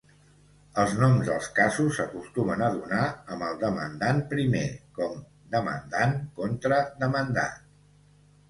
Els noms dels casos s'acostumen a donar amb el demandant primer, com "Demandant contra demandat".